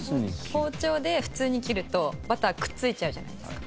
包丁で普通に切るとバターくっついちゃうじゃないですか。